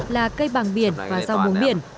là cây bằng biển và rau bốn biển